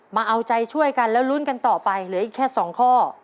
มาเอาใจช่วยกันแล้วลุ้นกันต่อไปเหลืออีกแค่๒ข้อ